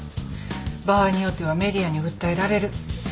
場合によってはＭＥＤＩＡに訴えられる。